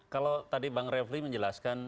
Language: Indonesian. kalau tadi bang refli menjelaskan